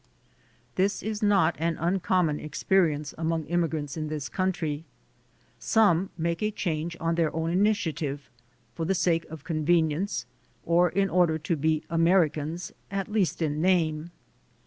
This is not an uncommon experience among immi grants in this country. Some make a change on their own initiative, for the sake of convenience, or in order to be Americans at least in name.